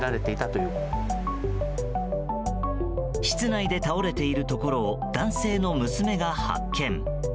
室内で倒れているところを男性の娘が発見。